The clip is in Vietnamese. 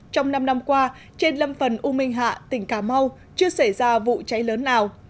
trong năm năm qua trên lâm phần u minh hạ tỉnh cà mau chưa xảy ra vụ cháy lớn nào